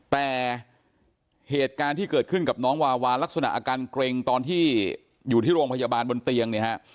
แต่เหตุการณ์ที่เกิดขึ้นกับน้องวาวาลักษณะอาการเกร็งตอนที่อยู่ที่โรงพยาบาลบนเตียงเนี่ยฮะ